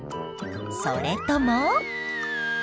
それとも。